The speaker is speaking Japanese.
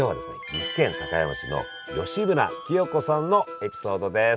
岐阜県高山市の吉村清子さんのエピソードです。